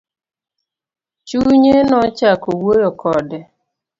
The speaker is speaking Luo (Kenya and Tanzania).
Chunye nochako wuoyo kode.